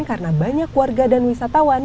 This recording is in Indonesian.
karena banyak warga dan wisatawan